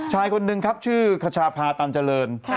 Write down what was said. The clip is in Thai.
คนนึงครับชื่อคชาพาตันเจริญ